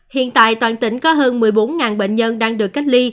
hiện tại toàn tỉnh có hơn một mươi bốn bệnh nhân đang được cách ly